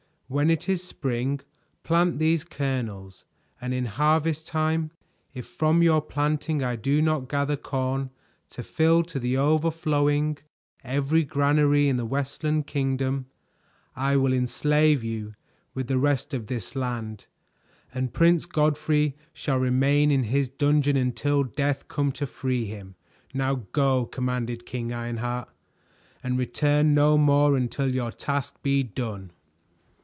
"When it is spring, plant these kernels, and in harvest time, if from your planting I do not gather corn to fill to the overflowing every granary in the Westland Kingdom, I will enslave you with the rest of this land, and Prince Godfrey shall remain in his dungeon until death come to free him. Now go," commanded King Ironheart, "and return no more until your task be done."